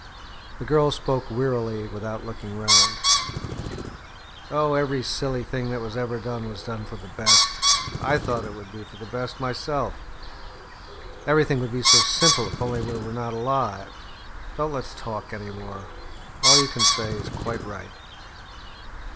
The girl spoke wearily without looking round. "Oh! every silly thing that was ever done, was done for the best. I thought it would be for the best, myself. Everything would be so simple if only we were not alive. Don't let's talk any more. All you can say is quite right."